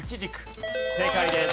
正解です。